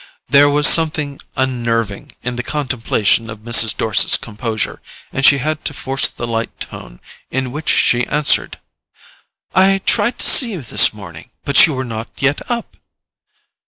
There was something unnerving in the contemplation of Mrs. Dorset's composure, and she had to force the light tone in which she answered: "I tried to see you this morning, but you were not yet up."